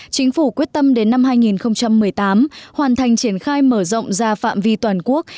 hai nghìn hai mươi chính phủ quyết tâm đến năm hai nghìn một mươi tám hoàn thành triển khai mở rộng ra phạm vi toàn quốc